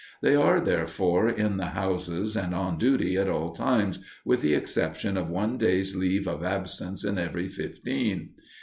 They are, therefore, in the houses and on duty at all times, with the exception of one day's leave of absence in every fifteen.